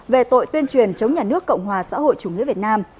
về tội tuyên truyền chống nhà nước cộng hòa xã hội chủ nghĩa việt nam